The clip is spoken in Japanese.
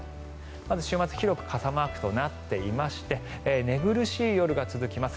まず週末広く傘マークとなっていまして寝苦しい夜が続きます。